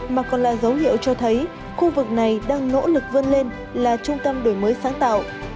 mà còn là dấu hiệu cho thấy khu vực này đang nỗ lực vươn lên là trung tâm đổi mới sáng tạo